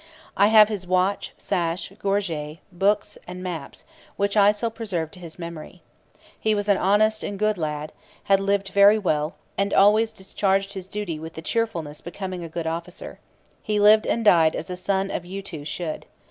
I have his watch, sash, gorget, books, and maps, which I shall preserve to his memory. He was an honest and good lad, had lived very well, and always discharged his duty with the cheerfulness becoming a good officer. He lived and died as a son of you two should.